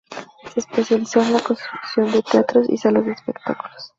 Se especializó en la construcción de teatros y salas de espectáculos.